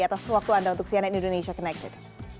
atas waktu anda untuk cnn indonesia connected